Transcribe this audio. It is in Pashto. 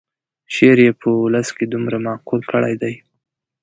شعر یې په ولس کې دومره مقبول کړی دی.